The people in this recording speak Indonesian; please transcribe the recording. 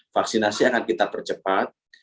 vaksinasi akan kita percepat